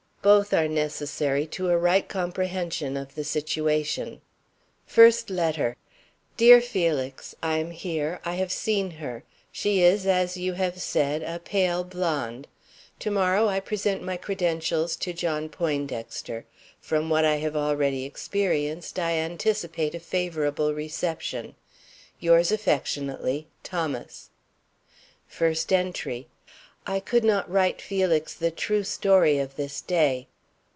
Both are necessary to a right comprehension of the situation. FIRST LETTER. DEAR FELIX: I am here; I have seen her. She is, as you have said, a pale blonde. To morrow I present my credentials to John Poindexter. From what I have already experienced I anticipate a favorable reception. Yours aff., THOMAS. FIRST ENTRY. I could not write Felix the true story of this day.